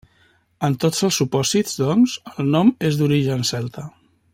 En tots els supòsits, doncs, el nom és d'origen celta.